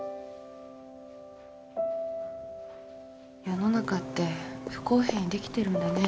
世の中って不公平にできてるんだね。